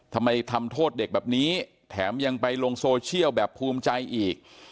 ทำโทษเด็กแบบนี้แถมยังไปลงโซเชียลแบบภูมิใจอีก